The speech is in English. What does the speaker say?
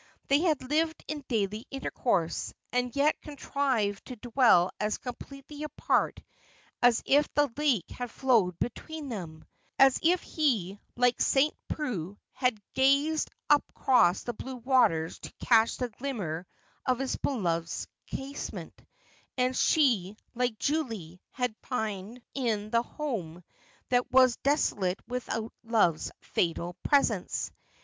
They had lived in daily intercourse, and yet contrived to dwell as completely apart as if the lake had flowed between them ; as if he, like St. Preux, had gazed across the blue waters to catch the glimmer of his beloved's casement, and she, like Julie, had pined in the home that was desolate without love's fatal presence.